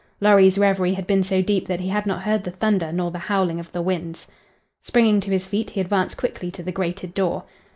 Lorry's reverie had been so deep that he had not heard the thunder nor the howling of the winds. Springing to his feet he advanced quickly to the grated door.